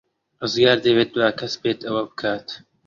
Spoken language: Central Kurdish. ڕزگار دەیەوێت دوا کەس بێت ئەوە بکات.